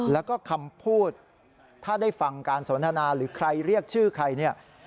แล้วก็คำพูดถ้าได้ฟังการสนทนาหรือใครเรียกชื่อใครเนี่ย